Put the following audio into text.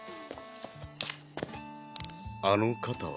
あの方は？